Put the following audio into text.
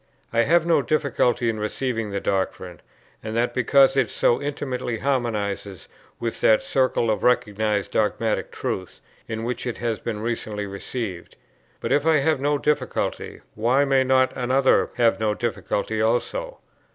I have no difficulty in receiving the doctrine; and that, because it so intimately harmonizes with that circle of recognized dogmatic truths, into which it has been recently received; but if I have no difficulty, why may not another have no difficulty also?